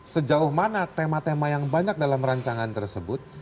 sejauh mana tema tema yang banyak dalam rancangan tersebut